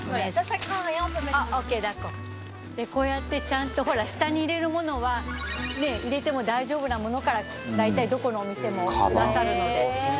こうやってちゃんとほら下に入れるものは入れても大丈夫なものから大体どこのお店もくださるので。